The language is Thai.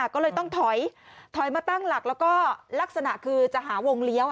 ก็เลยต้องถอยมาตั้งหลักแล้วก็ลักษณะคือจะหาวงเลี้ยว